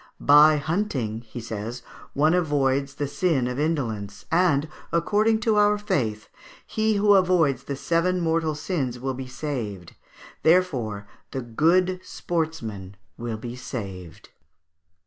"By hunting," he says, "one avoids the sin of indolence; and, according to our faith, he who avoids the seven mortal sins will be saved; therefore the good sportsman will be saved."